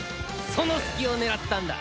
その隙を狙ったんだ。